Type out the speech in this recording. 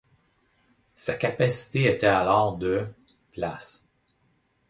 Sa capacité était alors de places.